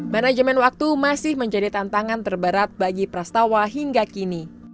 manajemen waktu masih menjadi tantangan terberat bagi pras tawa hingga kini